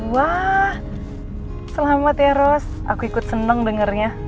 wah selamat ya ros aku ikut senang dengarnya